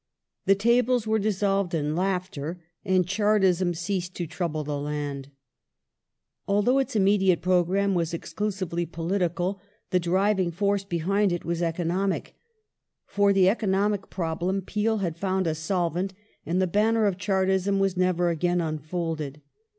^ The tables were dissolved in laughter, and Chartism ceased to trouble the land. Though its immediate programme was exclusively political, the driving force behind it was economic. For the economic problem Peel had found a solvent, and the banner of Chartism was never again unfolded.